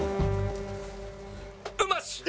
うまし！